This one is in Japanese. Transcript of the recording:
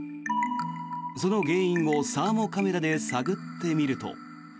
その原因をサーモカメラで探ってみると。